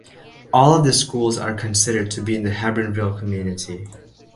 All of the schools are considered to be in the Hebbronville community.